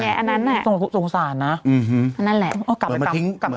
อันนั้นแหละอืมฮืออันนั้นแหละมันมาทิ้ง